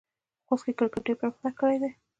خوست کې کرکټ ډېر پرمختګ کړی دی.